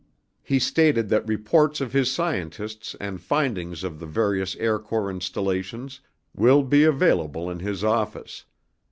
He stated that reports of his scientists and findings of the various Air Corps installations will be available in his office.